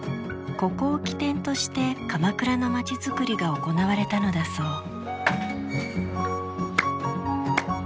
ここを起点として鎌倉の街づくりが行われたのだそう。